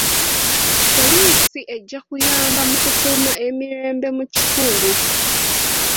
Poliisi ejja kuyamba mu kukuuma emirembe mu kitundu.